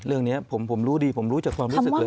เรื่องนี้ผมรู้ดีผมรู้จากความรู้สึกเลย